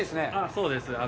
そうです。